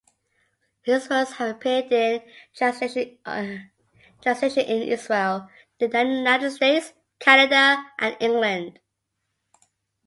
His works have appeared in translation in Israel, the United States, Canada and England.